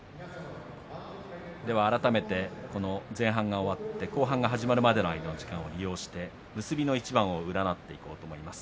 改めて前半が終わって後半が始まるまでの時間を利用して結びの一番を占っていこうと思います。